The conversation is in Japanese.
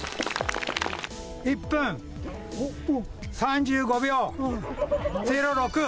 １分３５秒０６。